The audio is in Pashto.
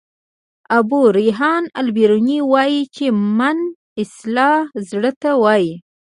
ابو ریحان البروني وايي چي: "من" اصلاً زړه ته وايي.